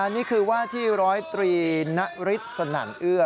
นี่คือว่าที่๑๐๓ณฤทธิ์สนั่นเอื้อ